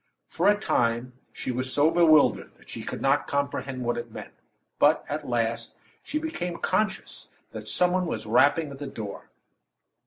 For a time, she was so bewildered that she could not comprehend what it meant; but, at last, she became conscious that some one was rapping at the door.